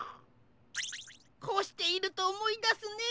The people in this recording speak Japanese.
こうしているとおもいだすね。